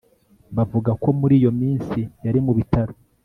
Bavuga ko muri iyo minsi yari mu bitaro